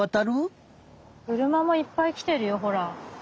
くるまもいっぱいきてるよほら。